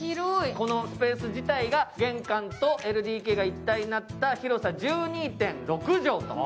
このスペース自体が玄関とＬＤＫが一体となった広さ１２．６畳の。